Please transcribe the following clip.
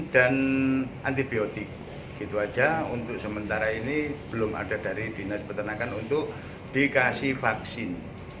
dan antibiotik itu aja untuk sementara ini belum ada dari dinas peternakan untuk dikasih vaksin